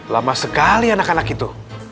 lama sekali anak anak itu